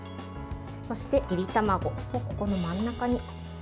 そして、いり卵をここの真ん中に。